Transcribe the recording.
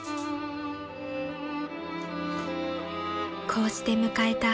［こうして迎えた］